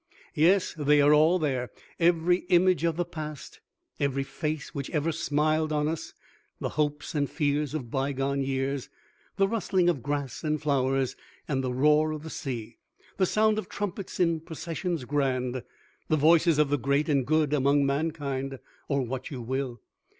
Yes, they are all there every image of the past, every face which ever smiled on us the hopes and fears of bygone years the rustling of grass and flowers and the roar of the sea the sound of trumpets in processions grand the voices of the great and good among mankind or what you will.